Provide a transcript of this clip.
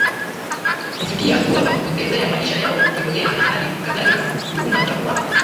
kufikia hatua za kuwapotezea maisha yao kiholela na hali kadhalika tuhuma za kuwa